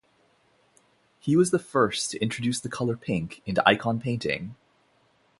He was the first to introduce the colour pink into icon painting.